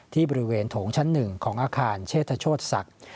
ที่บริเวณโถงชั้น๑ของอาคารเชตโชธศักดิ์